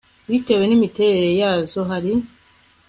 bitewe n imiterere yazo hari